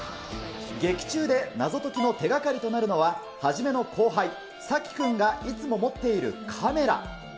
劇中で謎解きの手がかりとなるのは、一の後輩、佐木君がいつも持っているカメラ。